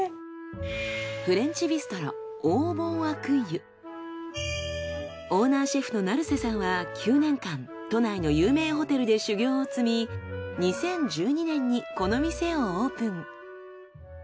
フレンチビストロオーナーシェフの成瀬さんは９年間都内の有名ホテルで修業を積み２０１２年にこの店をオープン。